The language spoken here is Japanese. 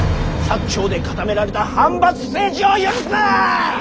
長で固められた藩閥政治を許すな！